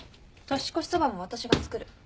年越しそばも私が作る。